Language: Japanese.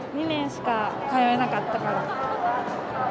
２年しか通えなかったから。